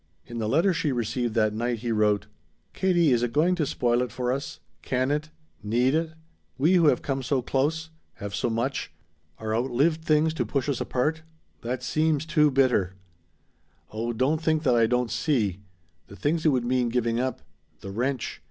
In the letter she received that night he wrote: "Katie, is it going to spoil it for us? Can it? Need it? We who have come so close? Have so much? Are outlived things to push us apart? That seems too bitter! "Oh don't think that I don't see. The things it would mean giving up. The wrench.